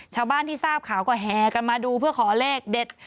ชาวบ้านที่ทราบข่าวก็แหกันมาดูเพื่อขอเลขเด็ด